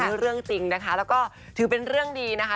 นี่เรื่องจริงนะคะแล้วก็ถือเป็นเรื่องดีนะคะ